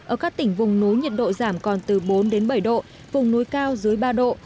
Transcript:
ở các tỉnh vùng núi nhiệt độ giảm còn từ bốn đến bảy độ vùng núi cao dưới ba độ